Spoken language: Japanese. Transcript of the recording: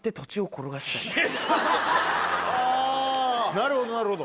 なるほどなるほど。